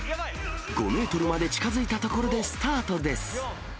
５メートルまで近づいたところでスタートです。